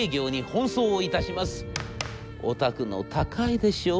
『お宅の高いでしょ。